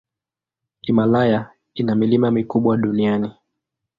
Himalaya ina milima mikubwa duniani.